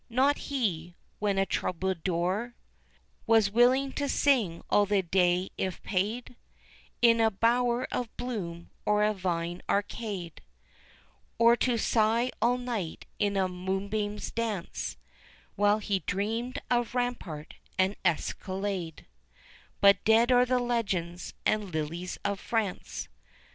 Not he, when a troubadour Was willing to sing all the day if paid In a bower of bloom or a vine arcade, Or to sigh all night in the moonbeam's dance, While he dreamed of rampart and escalade; But dead are the legends and lilies of France.